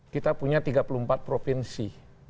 kita punya tiga puluh empat provinsi